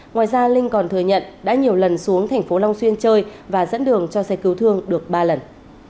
ngoài ra linh còn thừa nhận đã nhiều lần xuống thành phố long xuyên chơi và dẫn đường cho xe cứu thương được ba lần